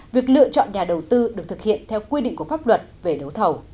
việc lựa chọn nhà đầu tư được thực hiện theo quy định của pháp luật về đấu thầu